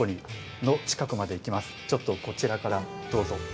ちょっとこちらからどうぞ。